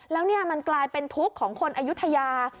แล้วนี่มันกลายเป็นทุกข์ของคนอายุทยา